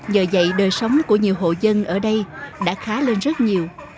nhờ vậy đời sống của nhiều hộ dân ở đây đã khá lên rất nhiều